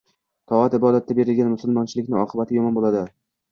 Toat-ibodatga berilgan musulmonchilikni oqibati yomon bo‘ladi.